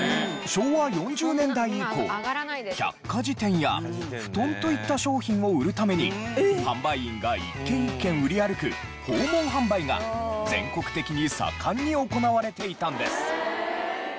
昭和４０年代以降百科事典や布団といった商品を売るために販売員が一軒一軒売り歩く訪問販売が全国的に盛んに行われていたんです。